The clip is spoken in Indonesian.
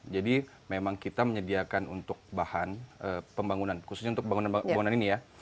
jadi memang kita menyediakan untuk bahan pembangunan khususnya untuk pembangunan ini ya